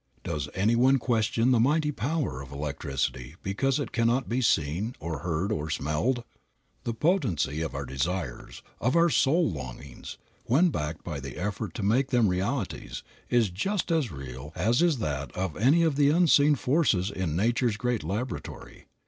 Does any one question the mighty power of electricity because it cannot be seen or heard or smelled? The potency of our desires, of our soul longings, when backed by the effort to make them realities, is just as real as is that of any of the unseen forces in Nature's great laboratory.